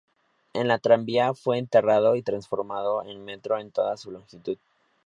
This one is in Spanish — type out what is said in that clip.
El tranvía fue enterrado y transformado en Metro en toda su longitud.